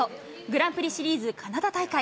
グランプリシリーズカナダ大会。